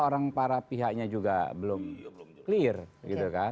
orang para pihaknya juga belum clear